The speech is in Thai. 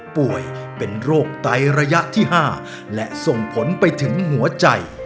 ป่วยเป็นโรคไตระยะที่๕และส่งผลไปถึงหัวใจ